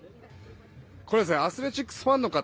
アスレチックスファンの方